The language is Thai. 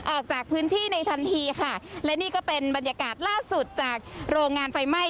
ออกจากพื้นที่ในทันทีค่ะและนี่ก็เป็นบรรยากาศล่าสุดจากโรงงานไฟไหม้